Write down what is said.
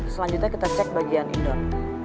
selanjutnya kita cek bagian indon